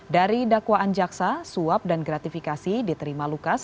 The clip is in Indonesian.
dari dakwaan jaksa suap dan gratifikasi diterima lukas